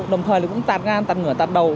đồng thời cũng tạt gan tạt ngửa tạt đầu